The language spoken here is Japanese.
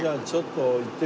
ちょっと。